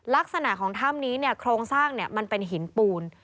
ลักษณะของถ้ำนี้เนี่ยโครงสร้างมันเป็นหินปูน